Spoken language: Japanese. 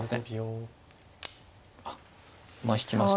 あっ馬引きました。